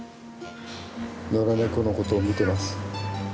野良ネコのことを見てます。